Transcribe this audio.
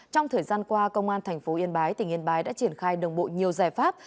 trong thời gian qua công an tp yên bái tỉnh yên bái đã triển khai đồng bộ nhiều giải pháp